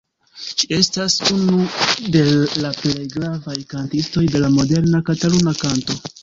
Ŝi estas unu de la plej gravaj kantistoj de la moderna kataluna kanto.